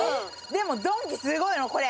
でもドンキすごいの。